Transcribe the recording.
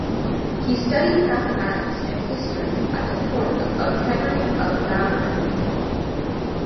He studied mathematics and history at the court of Henry of Navarre.